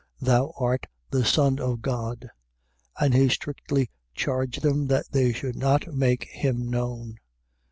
Thou art the Son of God. And he strictly charged them that they should not make him known.